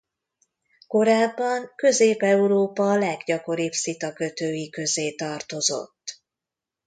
Korábban Közép-Európa leggyakoribb szitakötői közé tartozott.